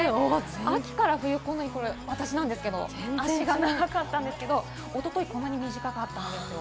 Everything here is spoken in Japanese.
秋から冬、こんなに、私なんですけれども、足が長かったんですけれども、おとといはこんなに短かったんですよ。